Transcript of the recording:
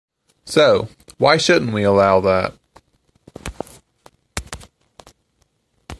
So, why shouldn't we allow that?